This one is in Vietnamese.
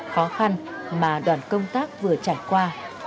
khó khăn mà đoàn công tác vừa trải qua